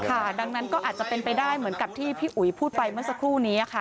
ดังนั้นก็อาจจะเป็นไปได้เหมือนกับที่พี่อุ๋ยพูดไปเมื่อสักครู่นี้ค่ะ